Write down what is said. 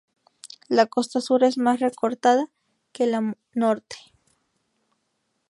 La costa sur es más recortada que la norte.